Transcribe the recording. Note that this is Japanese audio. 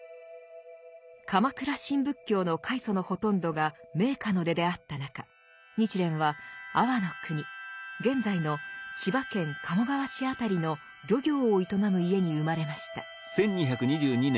鎌倉新仏教の開祖のほとんどが名家の出であった中日蓮は安房国現在の千葉県鴨川市辺りの漁業を営む家に生まれました。